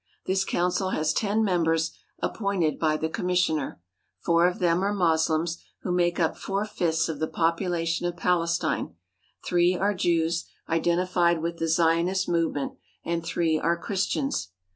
This council has ten members appointed by the Com missioner. Four of them are Moslems, who make up four fifths of the population of Palestine, three are Jews, identified with the Zionist movement, and three are 280 PALESTINE AND SYRIA UNDER NEW RULERS Christians.